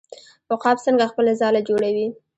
عقاب څنګه خپله ځاله جوړوي؟